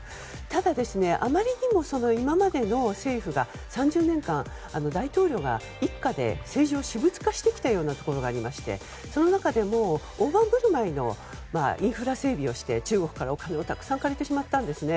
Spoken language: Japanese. ただ、あまりにも今までの政府が３０年間、大統領が一家で政治を私物化してきたところがありましてその中でも、大盤振る舞いのインフラ整備をして中国からお金をたくさん借りてしまったんですね。